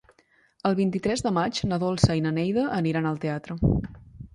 El vint-i-tres de maig na Dolça i na Neida iran al teatre.